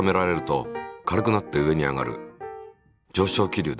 上昇気流だ。